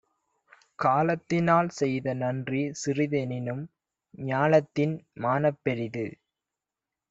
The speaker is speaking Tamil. காலத்தி னால்செய்த நன்றி சிறிதுஎனினும் ஞாலத்தின் மானப் பெரிது.